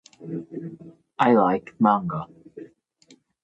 I like manga.